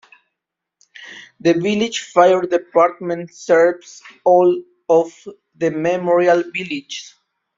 The Village Fire Department serves all of the Memorial villages.